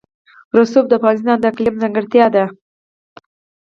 رسوب د افغانستان د اقلیم ځانګړتیا ده.